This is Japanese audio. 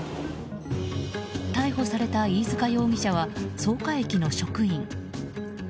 逮捕された飯塚容疑者は草加駅の職員。